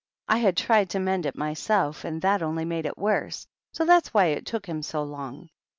I had tried to mend it myself, and that only made it worse; so that's why it took him so long.